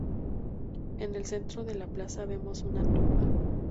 En el centro de esta plaza, vemos una tumba.